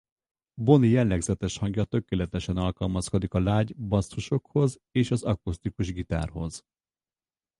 Bonnie jellegzetes hangja tökéletesen alkalmazkodik a lágy basszusokhoz és az akusztikus gitárhoz.